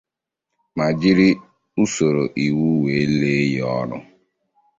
ma jiri usoro iwu wee lee ya ọrụ.